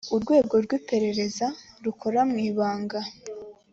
urwego rw’iperereza rukora mwibanga.